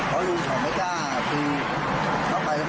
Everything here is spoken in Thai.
แล้วลูกแกบอกว่าอย่าเข้าไปใกล้นะห่างมันยาวมันตีแรง